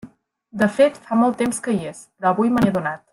De fet, fa molt temps que hi és, però avui me n'he adonat.